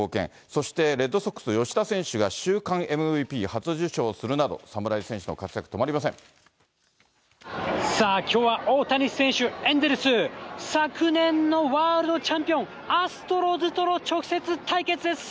そしてレッドソックス、吉田選手が週間ＭＶＰ初受賞するなど、侍戦士の活躍、止まりませさあ、きょうは大谷選手、エンゼルス、昨年のワールドチャンピオン、アストロズとの直接対決です。